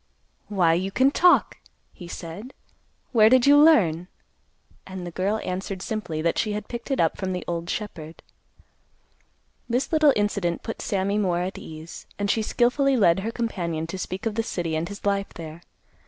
"Why you can talk!" he said. "Where did you learn?" And the girl answered simply that she had picked it up from the old shepherd. This little incident put Sammy more at ease, and she skilfully led her companion to speak of the city and his life there.